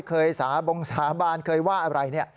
เคยสาบงสาบานเคยว่าอะไร